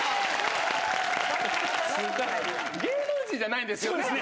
芸能人じゃないんですよね？